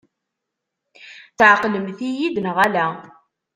Tɛeqlemt-iyi-d neɣ ala?